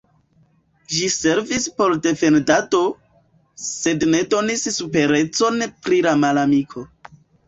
Ĝi servis por defendado, sed ne donis superecon pri la malamiko.